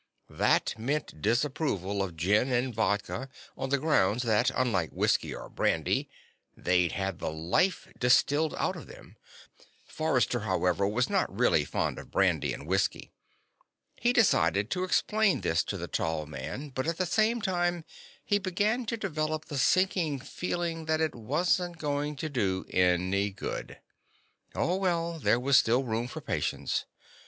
That meant disapproval of gin and vodka on the grounds that, unlike whiskey or brandy, they'd had the "life" distilled out of them. Forrester, however, was not really fond of brandy and whiskey. He decided to explain this to the tall man, but at the same time he began to develop the sinking feeling that it wasn't going to do any good. Oh, well, there was still room for patience.